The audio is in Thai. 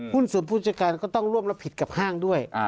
หุ้นส่วนผู้จัดการก็ต้องร่วมรับผิดกับห้างด้วย